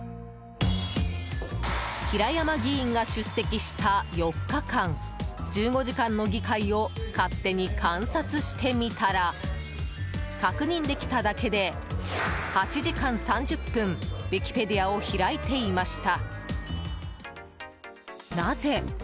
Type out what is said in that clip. ［平山議員が出席した４日間１５時間の議会を勝手に観察してみたら確認できただけで８時間３０分Ｗｉｋｉｐｅｄｉａを開いていました］